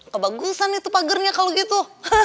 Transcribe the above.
kebagusan itu pagernya kalau gitu